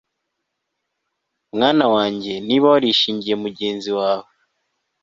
mwana wanjye, niba warishingiye mugenzi wawe